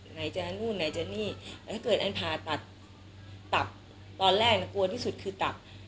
ไหนจะนู่นไหนจะนี่แต่ถ้าเกิดอันผ่าตัดตับตอนแรกน่ะกลัวที่สุดคือตับ